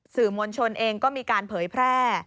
สื่อมวลชนเองก็มีการเผยแพร่